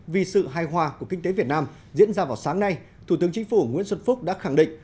vì sự hài hòa của kinh tế việt nam diễn ra vào sáng nay thủ tướng chính phủ nguyễn xuân phúc đã khẳng định